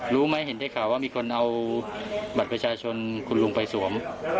รู้ไหมเห็นได้ข่าวว่ามีคนเอาบัตรประชาชนคุณลุงไปสวม